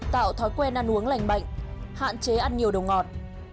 tạo thói quen ăn uống lành bệnh hạn chế ăn nhiều đồ ngọt